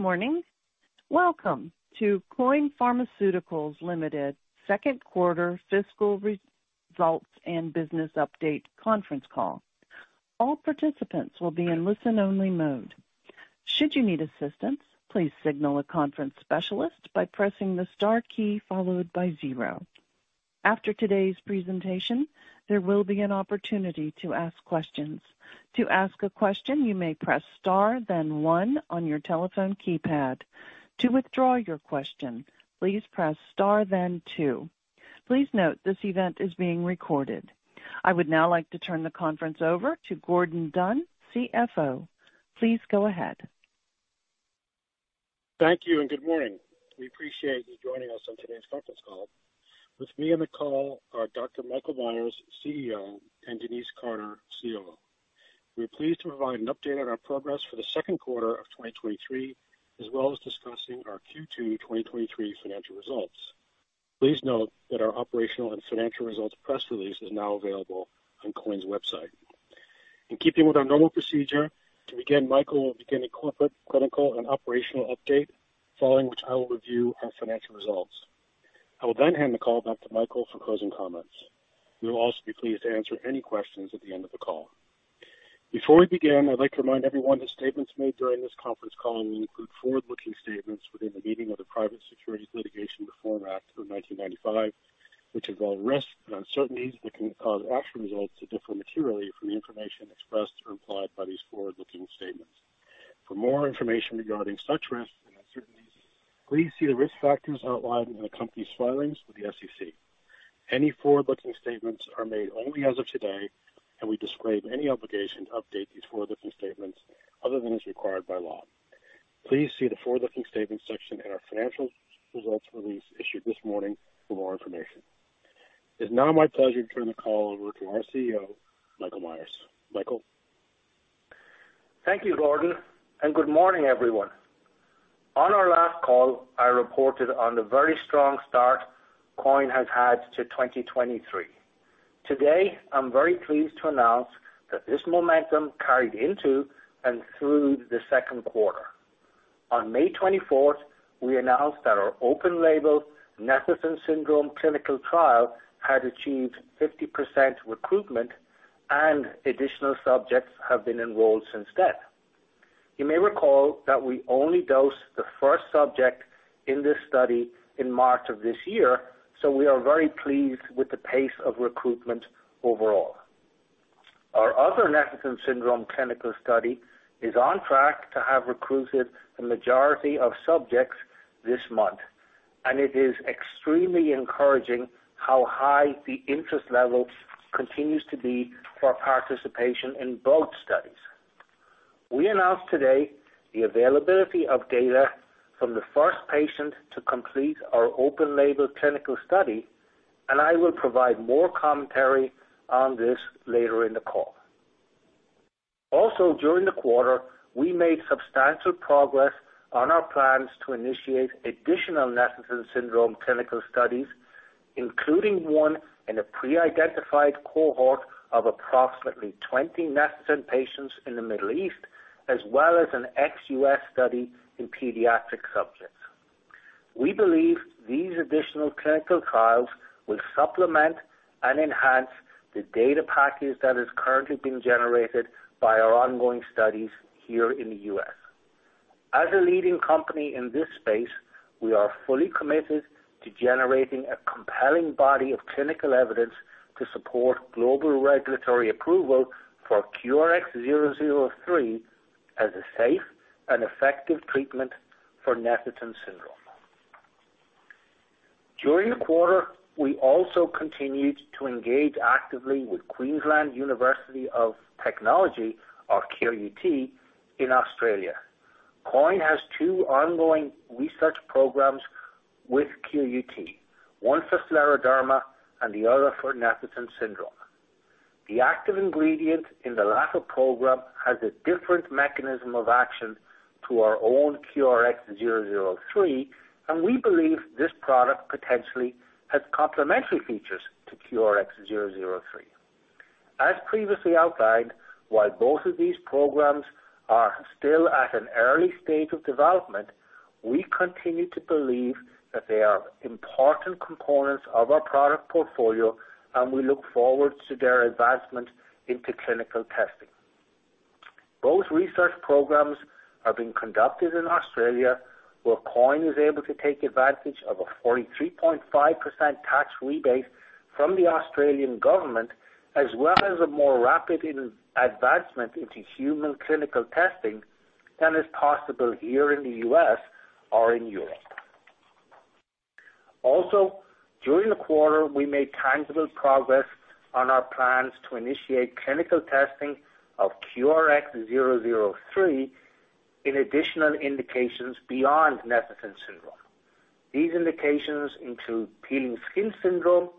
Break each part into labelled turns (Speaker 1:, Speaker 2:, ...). Speaker 1: Good morning. Welcome to Quoin Pharmaceuticals Ltd. second quarter fiscal results and business update conference call. All participants will be in listen-only mode. Should you need assistance, please signal a conference specialist by pressing the star key followed by zero. After today's presentation, there will be an opportunity to ask questions. To ask a question, you may press star, then one on your telephone keypad. To withdraw your question, please press star, then two. Please note, this event is being recorded. I would now like to turn the conference over to Gordon Dunn, CFO. Please go ahead.
Speaker 2: Thank you. Good morning. We appreciate you joining us on today's conference call. With me on the call are Dr. Michael Myers, CEO, and Denise Carter, COO. We're pleased to provide an update on our progress for the second quarter of 2023, as well as discussing our Q2 2023 financial results. Please note that our operational and financial results press release is now available on Quoin's website. In keeping with our normal procedure, to begin, Michael will begin a corporate, clinical and operational update, following which I will review our financial results. I will hand the call back to Michael for closing comments. We will also be pleased to answer any questions at the end of the call. Before we begin, I'd like to remind everyone that statements made during this conference call may include forward-looking statements within the meaning of the Private Securities Litigation Reform Act of 1995, which involve risks and uncertainties that can cause actual results to differ materially from the information expressed or implied by these forward-looking statements. For more information regarding such risks and uncertainties, please see the risk factors outlined in the company's filings with the SEC. Any forward-looking statements are made only as of today, and we disclaim any obligation to update these forward-looking statements other than as required by law. Please see the forward-looking statements section in our financial results release issued this morning for more information. It's now my pleasure to turn the call over to our CEO, Michael Myers. Michael?
Speaker 3: Thank you, Gordon, and good morning, everyone. On our last call, I reported on the very strong start Quoin has had to 2023. Today, I'm very pleased to announce that this momentum carried into and through the second quarter. On May 24th, we announced that our open-label Netherton Syndrome clinical trial had achieved 50% recruitment, and additional subjects have been enrolled since then. You may recall that we only dosed the first subject in this study in March of this year, so we are very pleased with the pace of recruitment overall. Our other Netherton Syndrome clinical study is on track to have recruited the majority of subjects this month, and it is extremely encouraging how high the interest level continues to be for participation in both studies. We announce today the availability of data from the first patient to complete our open-label clinical study, and I will provide more commentary on this later in the call. Also, during the quarter, we made substantial progress on our plans to initiate additional Netherton syndrome clinical studies, including one in a pre-identified cohort of approximately 20 Netherton patients in the Middle East, as well as an ex-U.S. study in pediatric subjects. We believe these additional clinical trials will supplement and enhance the data package that is currently being generated by our ongoing studies here in the U.S. As a leading company in this space, we are fully committed to generating a compelling body of clinical evidence to support global regulatory approval for QRX003 as a safe and effective treatment for Netherton syndrome. During the quarter, we also continued to engage actively with Queensland University of Technology, or QUT, in Australia. Quoin has two ongoing research programs with QUT, one for scleroderma and the other for Netherton syndrome. The active ingredient in the latter program has a different mechanism of action to our own QRX003, and we believe this product potentially has complementary features to QRX003. As previously outlined, while both of these programs are still at an early stage of development, we continue to believe that they are important components of our product portfolio, and we look forward to their advancement into clinical testing. Both research programs are being conducted in Australia, where Quoin is able to take advantage of a 43.5% tax rebate from the Australian Government, as well as a more rapid advancement into human clinical testing than is possible here in the US or in Europe. During the quarter, we made tangible progress on our plans to initiate clinical testing of QRX003 in additional indications beyond Netherton syndrome. These indications include Peeling Skin Syndrome,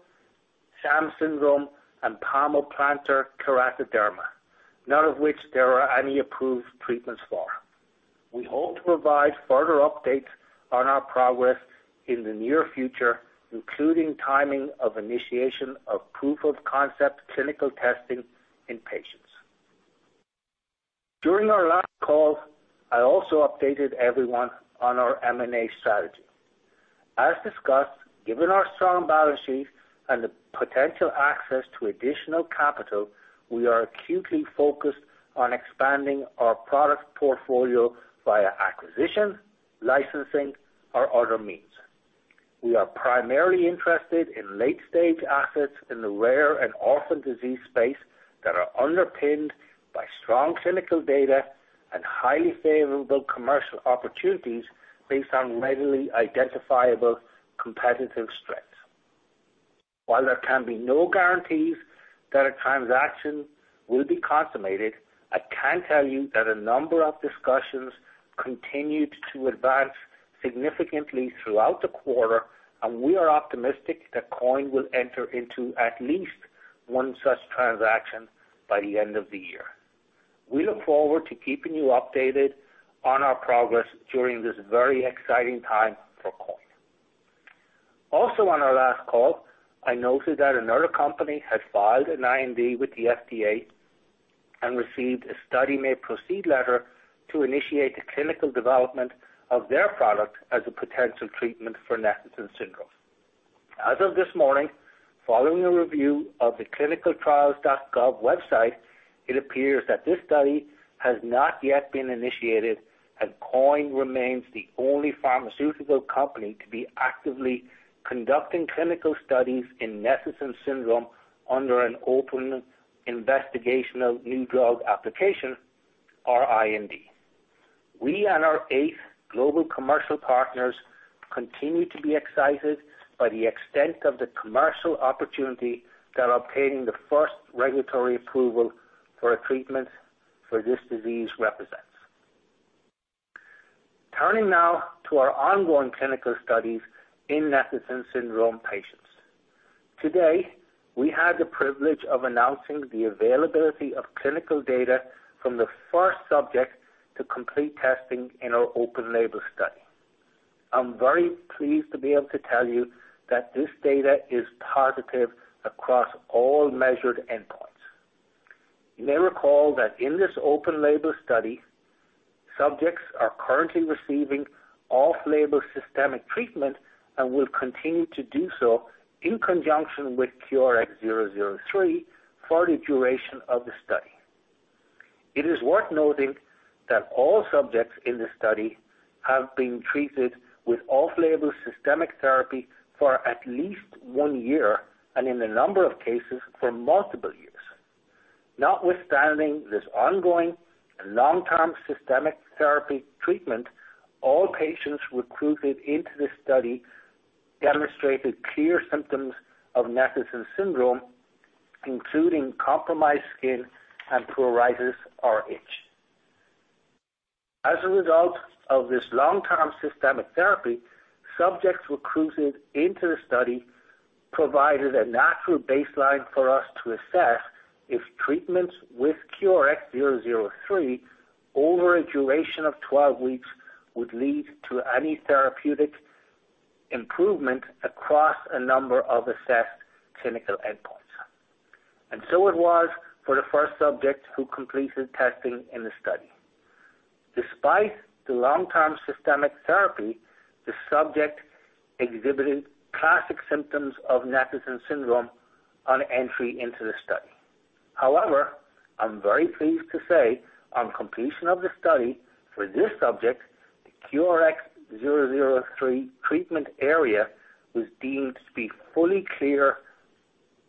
Speaker 3: SAM syndrome, and Palmoplantar Keratoderma, none of which there are any approved treatments for. We hope to provide further updates on our progress in the near future, including timing of initiation of proof-of-concept clinical testing in patients. During our last call, I also updated everyone on our M&A strategy. As discussed, given our strong balance sheet and the potential access to additional capital, we are acutely focused on expanding our product portfolio via acquisition, licensing, or other means. We are primarily interested in late-stage assets in the rare and orphan disease space that are underpinned by strong clinical data and highly favorable commercial opportunities based on readily identifiable competitive strengths. While there can be no guarantees that a transaction will be consummated, I can tell you that a number of discussions continued to advance significantly throughout the quarter, and we are optimistic that Quoin will enter into at least one such transaction by the end of the year. We look forward to keeping you updated on our progress during this very exciting time for Quoin. On our last call, I noted that another company had filed an IND with the FDA and received a Study May Proceed letter to initiate the clinical development of their product as a potential treatment for Netherton syndrome. As of this morning, following a review of the ClinicalTrials.gov website, it appears that this study has not yet been initiated, and Quoin remains the only pharmaceutical company to be actively conducting clinical studies in Netherton syndrome under an open investigational new drug application, or IND. We and our eight global commercial partners continue to be excited by the extent of the commercial opportunity that obtaining the first regulatory approval for a treatment for this disease represents. Turning now to our ongoing clinical studies in Netherton syndrome patients. Today, we had the privilege of announcing the availability of clinical data from the first subject to complete testing in our open-label study. I'm very pleased to be able to tell you that this data is positive across all measured endpoints. You may recall that in this open-label study, subjects are currently receiving off-label systemic treatment and will continue to do so in conjunction with QRX-zero zero three for the duration of the study. It is worth noting that all subjects in the study have been treated with off-label systemic therapy for at least one year, and in a number of cases, for multiple years. Notwithstanding this ongoing and long-term systemic therapy treatment, all patients recruited into this study demonstrated clear symptoms of Netherton syndrome, including compromised skin and pruritus, or itch. As a result of this long-term systemic therapy, subjects recruited into the study provided a natural baseline for us to assess if treatments with QRX003 over a duration of 12 weeks, would lead to any therapeutic improvement across a number of assessed clinical endpoints. So it was for the first subject who completed testing in the study. Despite the long-term systemic therapy, the subject exhibited classic symptoms of Netherton syndrome on entry into the study. However, I'm very pleased to say, on completion of the study for this subject, the QRX003 treatment area was deemed to be fully clear,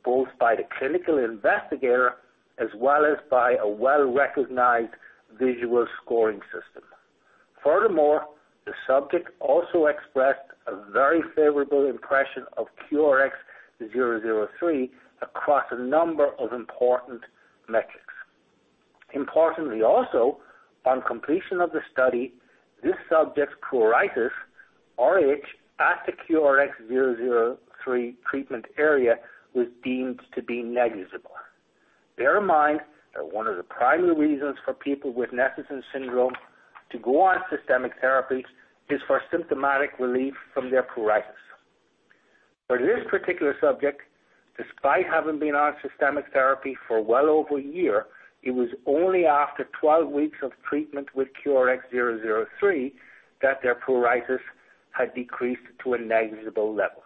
Speaker 3: both by the clinical investigator as well as by a well-recognized visual scoring system. Furthermore, the subject also expressed a very favorable impression of QRX003 across a number of important metrics. Importantly also, on completion of the study, this subject's pruritus, or itch, at the QRX003 treatment area, was deemed to be negligible. Bear in mind that one of the primary reasons for people with Netherton syndrome to go on systemic therapy is for symptomatic relief from their pruritus. For this particular subject, despite having been on systemic therapy for well over a year, it was only after 12 weeks of treatment with QRX003, that their pruritus had decreased to a negligible level.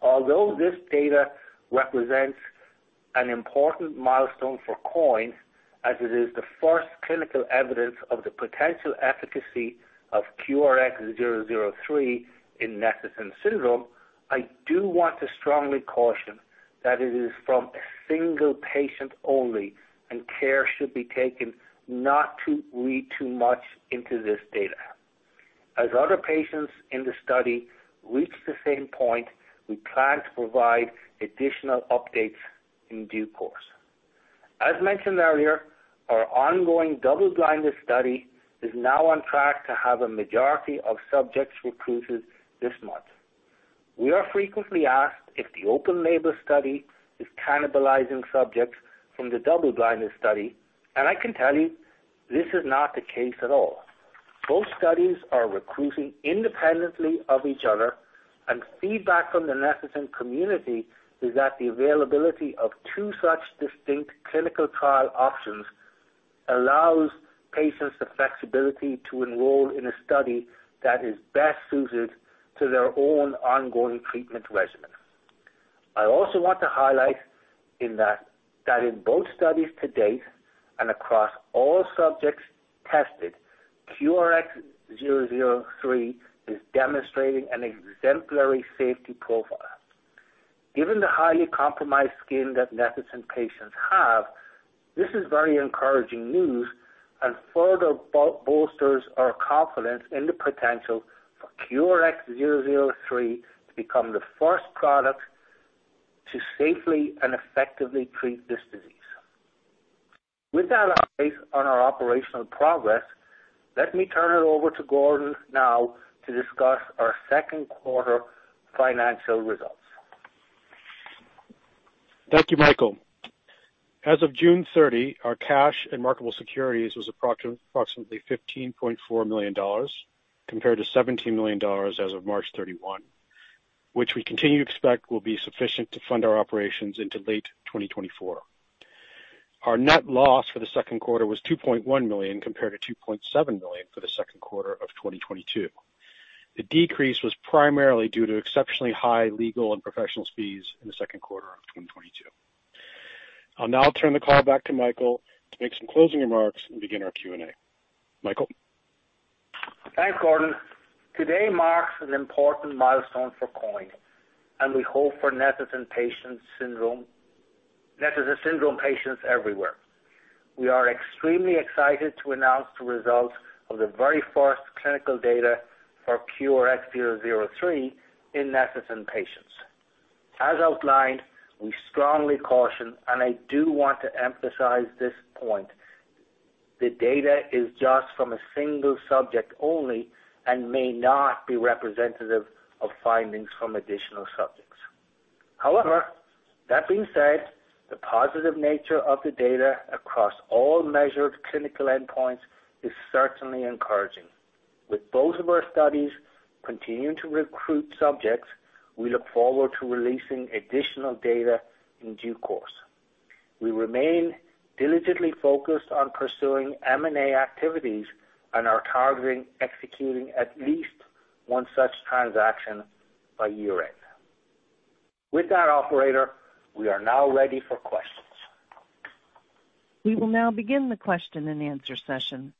Speaker 3: Although this data represents an important milestone for Quoin, as it is the first clinical evidence of the potential efficacy of QRX003 in Netherton syndrome, I do want to strongly caution that it is from a single patient only, and care should be taken not to read too much into this data. As other patients in the study reach the same point, we plan to provide additional updates in due course. As mentioned earlier, our ongoing double-blinded study is now on track to have a majority of subjects recruited this month. We are frequently asked if the open-label study is cannibalizing subjects from the double-blinded study, and I can tell you this is not the case at all. Both studies are recruiting independently of each other, and feedback from the Netherton community is that the availability of two such distinct clinical trial options allows patients the flexibility to enroll in a study that is best suited to their own ongoing treatment regimen. I also want to highlight in that, that in both studies to date and across all subjects tested, QRX003 is demonstrating an exemplary safety profile. Given the highly compromised skin that Netherton patients have, this is very encouraging news and further bolsters our confidence in the potential for QRX003 to become the first product to safely and effectively treat this disease. With that update on our operational progress, let me turn it over to Gordon now to discuss our second quarter financial results.
Speaker 2: Thank you, Michael. As of June 30, our cash and marketable securities was approximately $15.4 million, compared to $17 million as of March 31, which we continue to expect will be sufficient to fund our operations into late 2024. Our net loss for the second quarter was $2.1 million, compared to $2.7 million for the second quarter of 2022. The decrease was primarily due to exceptionally high legal and professional fees in the second quarter of 2022. I'll now turn the call back to Michael to make some closing remarks and begin our Q&A. Michael?
Speaker 3: Thanks, Gordon. Today marks an important milestone for Quoin, and we hope for Netherton patient syndrome, Netherton syndrome patients everywhere. We are extremely excited to announce the results of the very first clinical data for QRX003 in Netherton patients. As outlined, we strongly caution, and I do want to emphasize this point, the data is just from a single subject only and may not be representative of findings from additional subjects. However, that being said, the positive nature of the data across all measured clinical endpoints is certainly encouraging. With both of our studies continuing to recruit subjects, we look forward to releasing additional data in due course. We remain diligently focused on pursuing M&A activities and are targeting executing at least one such transaction by year-end. With that, operator, we are now ready for questions.
Speaker 1: We will now begin the question and answer session.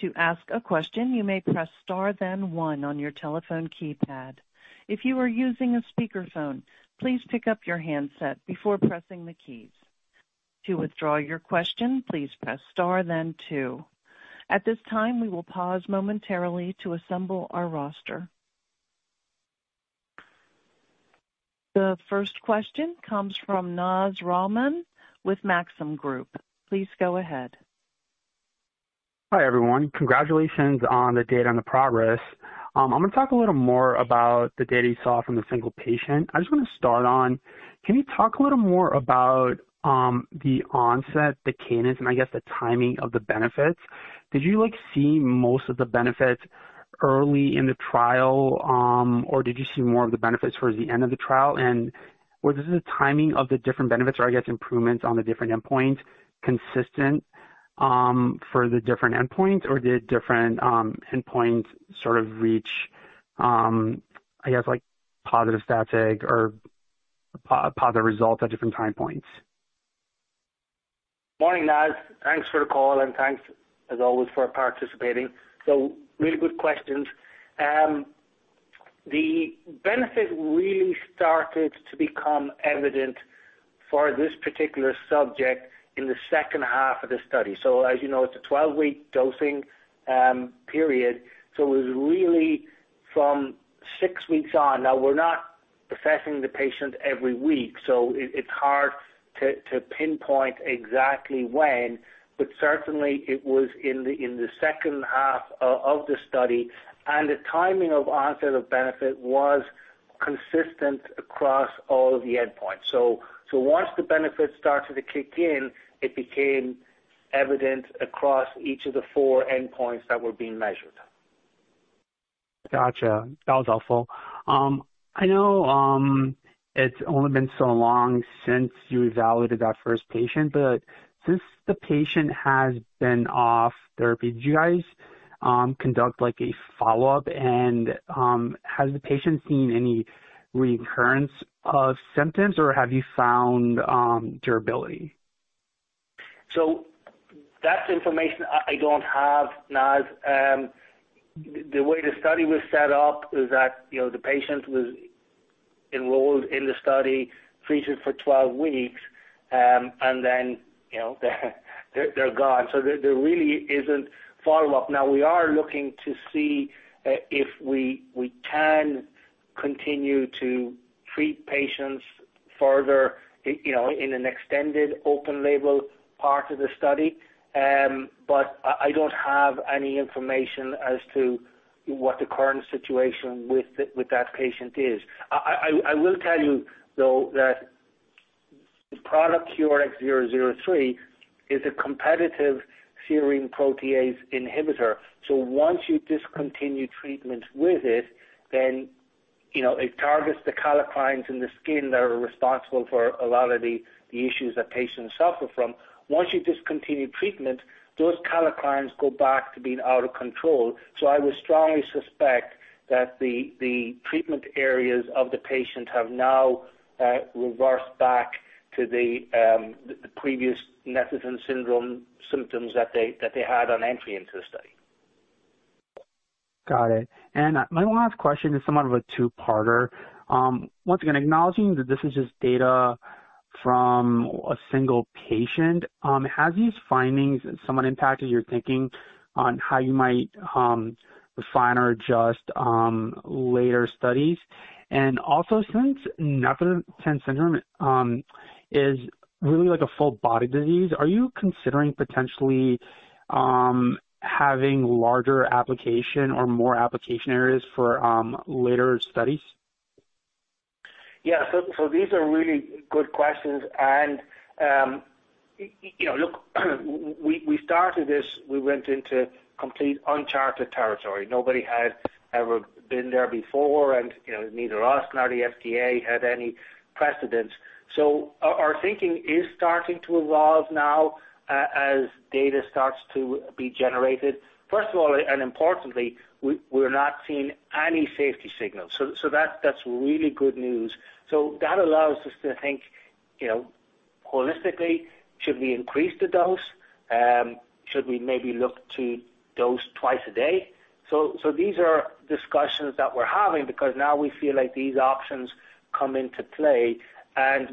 Speaker 1: To ask a question, you may press star, then one on your telephone keypad. If you are using a speakerphone, please pick up your handset before pressing the keys. To withdraw your question, please press star then two. At this time, we will pause momentarily to assemble our roster. The first question comes from Naz Rahman with Maxim Group. Please go ahead.
Speaker 4: Hi, everyone. Congratulations on the data and the progress. I'm gonna talk a little more about the data you saw from the single patient. I just wanna start on, can you talk a little more about, the onset, the cadence, and I guess the timing of the benefits? Did you see most of the benefits early in the trial, or did you see more of the benefits towards the end of the trial? Was this the timing of the different benefits, or I guess, improvements on the different endpoints consistent for the different endpoints, or did different endpoints sort of reach I guess positive static or positive results at different time points?
Speaker 3: Morning, Naz. Thanks for the call, and thanks as always, for participating. Really good questions. The benefit really started to become evident for this particular subject in the second half of the study. As you know, it's a 12-week dosing period, so it was really from six weeks on. Now, we're not assessing the patient every week, so it's hard to pinpoint exactly when, but certainly it was in the second half of the study, and the timing of onset of benefit was consistent across all the endpoints. Once the benefit started to kick in, it became evident across each of the four endpoints that were being measured.
Speaker 4: Gotcha. That was helpful. I know, it's only been so long since you evaluated that first patient, but since the patient has been off therapy, did you guys, conduct, like, a follow-up? Has the patient seen any recurrence of symptoms, or have you found, durability?
Speaker 3: That's information I, I don't have, Naz. The way the study was set up is that, you know, the patient was enrolled in the study, treated for 12 weeks, and then, you know, they're, they're gone. There, there really isn't follow-up. Now, we are looking to see if we, we can continue to treat patients further, you know, in an extended open-label part of the study. But I, I don't have any information as to what the current situation with that patient is. I, I, I will tell you, though, that the product, QRX003, is a competitive serine protease inhibitor. Once you discontinue treatment with it, then, you know, it targets the kallikreins in the skin that are responsible for a lot of the, the issues that patients suffer from. Once you discontinue treatment, those kallikreins go back to being out of control. I would strongly suspect that the, the treatment areas of the patient have now reversed back to the previous Netherton syndrome symptoms that they, that they had on entry into the study.
Speaker 4: Got it. My last question is somewhat of a two-parter. Once again, acknowledging that this is just data from a single patient, have these findings somewhat impacted your thinking on how you might refine or adjust later studies? Also, since Netherton syndrome is really like a full body disease, are you considering potentially having larger application or more application areas for later studies?
Speaker 3: Yeah. These are really good questions, and, you know, look, we, we started this, we went into complete uncharted territory. Nobody had ever been there before, you know, neither us nor the FDA had any precedence. Our, our thinking is starting to evolve now, as data starts to be generated. First of all, importantly, we're not seeing any safety signals. That's really good news. That allows us to think, you know, holistically, should we increase the dose? Should we maybe look to dose twice a day? These are discussions that we're having because now we feel like these options come into play.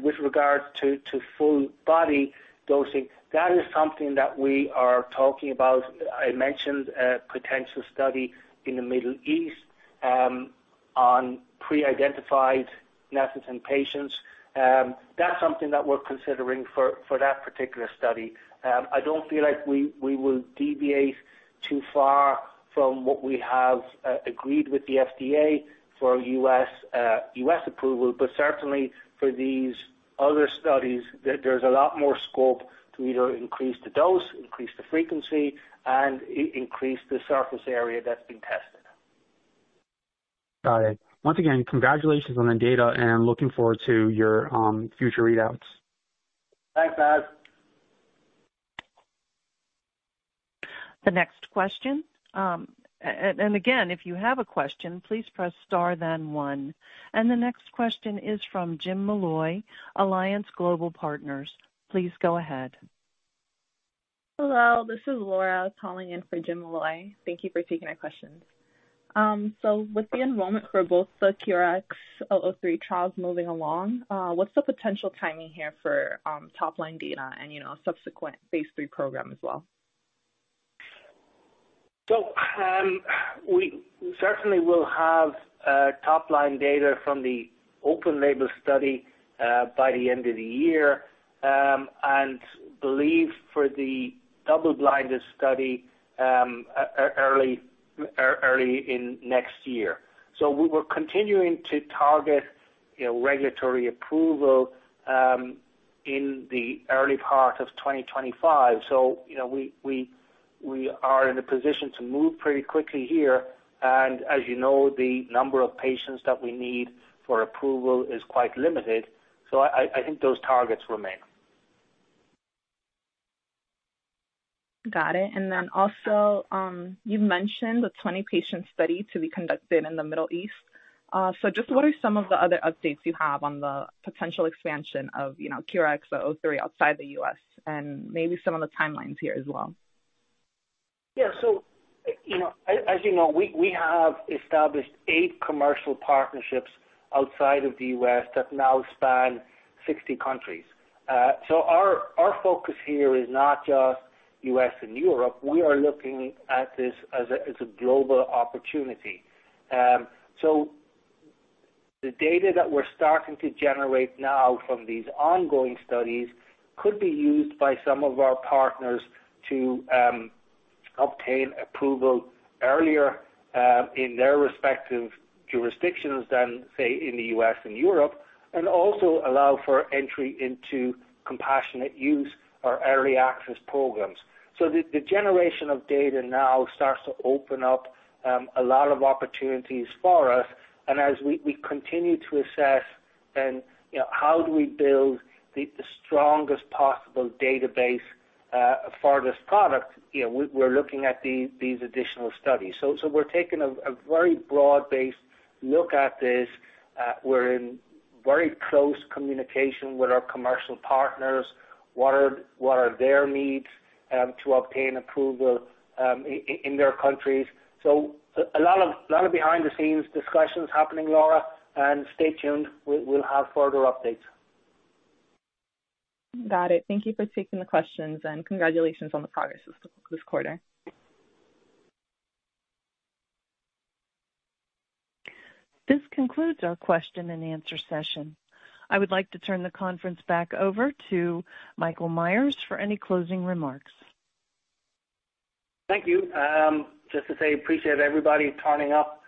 Speaker 3: With regard to, to full body dosing, that is something that we are talking about. I mentioned a potential study in the Middle East on pre-identified Netherton patients. That's something that we're considering for, for that particular study. I don't feel like we, we will deviate too far from what we have agreed with the FDA for US US approval, but certainly for these other studies, there, there's a lot more scope to either increase the dose, increase the frequency, and increase the surface area that's being tested.
Speaker 4: Got it. Once again, congratulations on the data, and I'm looking forward to your future readouts.
Speaker 3: Thanks, Ed.
Speaker 1: The next question. Again, if you have a question, please press star, then one. The next question is from Jim Malloy, Alliance Global Partners. Please go ahead.
Speaker 5: Hello, this is Laura. I was calling in for Jim Malloy. Thank you for taking my questions. With the enrollment for both the QRX003 trials moving along, what's the potential timing here for top-line data and, you know, subsequent phase III program as well?
Speaker 3: We certainly will have top-line data from the open-label study by the end of the year, and believe for the double-blinded study early in next year. We were continuing to target, you know, regulatory approval in the early part of 2025. You know, we, we, we are in a position to move pretty quickly here, and as you know, the number of patients that we need for approval is quite limited. I, I, I think those targets remain.
Speaker 5: Got it. You've mentioned the 20-patient study to be conducted in the Middle East. Just what are some of the other updates you have on the potential expansion of, you know, QRX003 outside the US and maybe some of the timelines here as well?
Speaker 3: Yeah. You know, as you know, we, we have established 8 commercial partnerships outside of the U.S. that now span 60 countries. Our, our focus here is not just U.S. and Europe, we are looking at this as a, as a global opportunity. The data that we're starting to generate now from these ongoing studies could be used by some of our partners to obtain approval earlier in their respective jurisdictions than, say, in the U.S. and Europe, and also allow for entry into compassionate use or early access programs. The, the generation of data now starts to open up a lot of opportunities for us. As we, we continue to assess and, you know, how do we build the, the strongest possible database for this product, you know, we're, we're looking at these, these additional studies. We're taking a very broad-based look at this. We're in very close communication with our commercial partners. What are their needs to obtain approval in their countries? A lot of behind-the-scenes discussions happening, Laura, and stay tuned. We'll have further updates.
Speaker 5: Got it. Thank you for taking the questions, and congratulations on the progress this quarter.
Speaker 1: This concludes our question-and-answer session. I would like to turn the conference back over to Michael Myers for any closing remarks.
Speaker 3: Thank you. Just to say, appreciate everybody turning up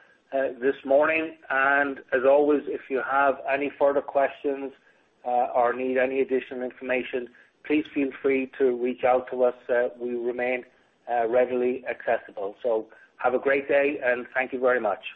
Speaker 3: this morning, and as always, if you have any further questions, or need any additional information, please feel free to reach out to us. We remain readily accessible. Have a great day, and thank you very much.